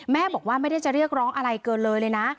แม่บอกว่าไม่ได้จะเรียกร้องอะไรเกินเลยเลยนะ